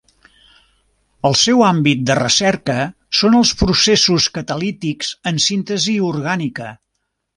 El seu àmbit de recerca són els processos catalítics en síntesi orgànica.